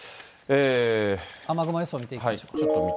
雨雲予想見ていきましょう。